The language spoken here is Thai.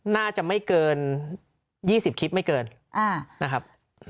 น่าจะไม่เกิน๒๐คลิปไม่เกินนะครับ